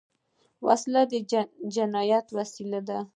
وسله د جنايت وسیله ده